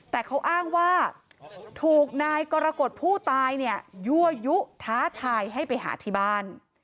แต่เขาอ้างว่าถูกนายกรกฎผู้ตายเนี่ยยั่วยุท้าทายให้ไปหาที่บ้าน